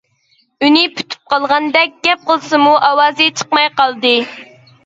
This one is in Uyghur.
ئۈنى پۈتۈپ قالغاندەك، گەپ قىلسىمۇ ئاۋازى چىقماي قالدى.